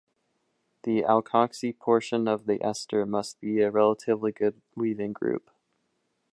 The alkoxy portion of the ester must be a relatively good leaving group.